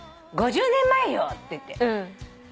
「５０年前よ」って言って。